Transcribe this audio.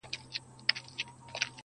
نه چا خبره پکښی کړه نه یې ګیلې کولې!!